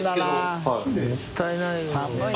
もったいないよ。